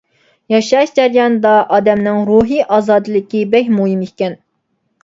ياشاش جەريانىدا ئادەمنىڭ روھىي ئازادىلىكى بەك مۇھىم ئىكەن.